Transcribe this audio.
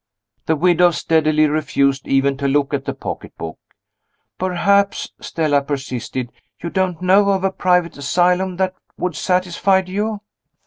The widow steadily refused even to look at the pocketbook. "Perhaps," Stella persisted, "you don't know of a private asylum that would satisfy you?"